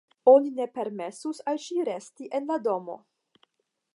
Oni ne permesus al ŝi resti en la domo.